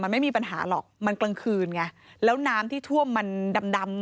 มันไม่มีปัญหาหรอกมันกลางคืนไงแล้วน้ำที่ท่วมมันดำดำ